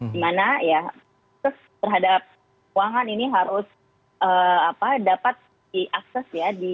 dimana ya terhadap uangan ini harus dapat diakses ya